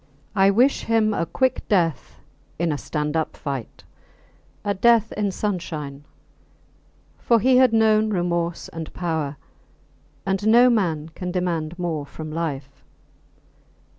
I wish him a quick death in a stand up fight, a death in sunshine; for he had known remorse and power, and no man can demand more from life.